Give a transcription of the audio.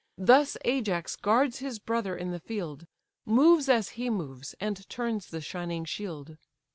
Thus Ajax guards his brother in the field, Moves as he moves, and turns the shining shield.